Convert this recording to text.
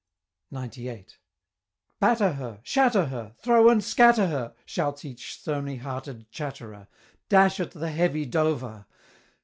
XCVIII. "Batter her! shatter her! Throw and scatter her!" Shouts each stony hearted chatterer! "Dash at the heavy Dover!